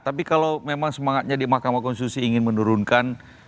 tapi kalau memang semangatnya di mahkamah konstitusi ingin menurunkan